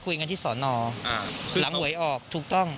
ใช่ก็คุยกันที่สนหลังเวยออบถูกต้อง